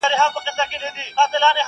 د انارکلي اوښکو ته،!